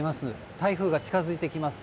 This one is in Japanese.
台風が近づいてきます。